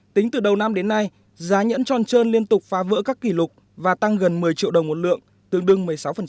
tính từ đầu năm đến nay giá nhẫn tròn trơn liên tục phá vỡ các kỷ lục và tăng gần một mươi triệu đồng một lượng tương đương một mươi sáu